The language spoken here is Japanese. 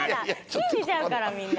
信じちゃうからみんな。